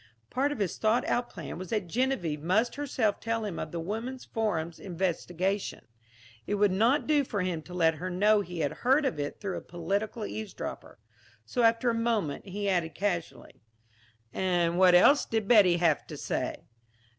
Part of his thought out plan was that Geneviève must herself tell him of the Woman's Forum's investigation; it would not do for him to let her know he had heard of it through a political eavesdropper. So after a moment he added casually: "And what else did Betty have to say?"